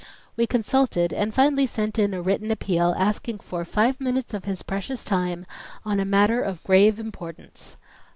We consulted, and finally sent in a written appeal, asking for "five minutes of his precious time on a matter of grave importance."